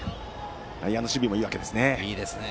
内野の守備もいいですね。